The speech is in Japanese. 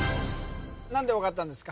何で分かったんですか？